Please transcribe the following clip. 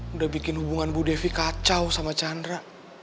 udah bikin hubungan bu devi kacau sama chandra